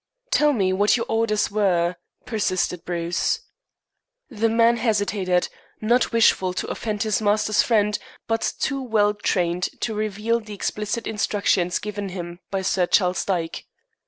"Tell me what your orders were," persisted Bruce. The man hesitated, not wishful to offend his master's friend, but too well trained to reveal the explicit instructions given him by Sir Charles Dyke.